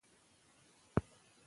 زه هره ورځ خپل کمپیوټر تازه کوم.